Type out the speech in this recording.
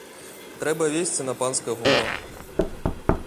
Трэба везці на панскае гумно.